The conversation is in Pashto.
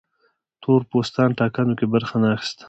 تور پوستان ټاکنو کې برخه نه اخیسته.